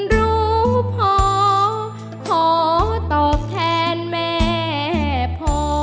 รู้พอขอตอบแทนแม่พอ